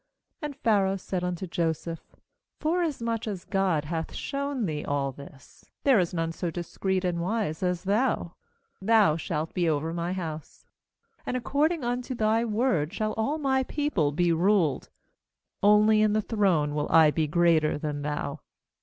' 39And Pharaoh said unto Joseph: 'Forasmuch as God hath shown thee all this, there is none so discreet and wise as thou. 40Thou shalt be over my house, and according unto thy word shall all my people be ruled; only in the throne will I be greater than thou.'